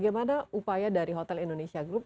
dan menggunakan hotel indonesia group